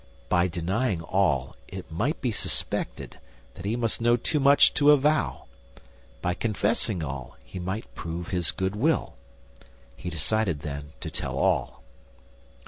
By denying all, it might be suspected that he must know too much to avow; by confessing all he might prove his good will. He decided, then, to tell all.